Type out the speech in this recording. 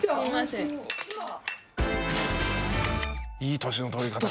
いい年の取り方を。